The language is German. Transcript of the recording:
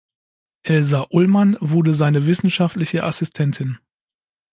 Elsa Ullmann wurde seine wissenschaftliche Assistentin.